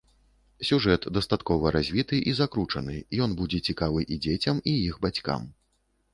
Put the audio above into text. Сюжэт дастаткова развіты і закручаны, ён будзе цікавы і дзецям, і іх бацькам.